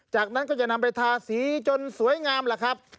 จากนั้นก็จะนำไปทาสีจนสวยงามล่ะครับ